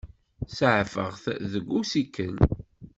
Saɛfeɣ-t deg usikel.